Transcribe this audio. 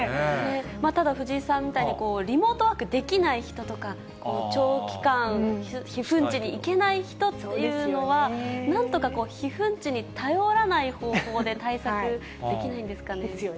ただ藤井さんみたいに、リモートワークできない人とか、長期間、避粉地に行けない人っていうのはなんとかこう、避粉地に頼らない方法で対策できないんですかね。ですよね。